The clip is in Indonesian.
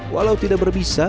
walau tidak berbisa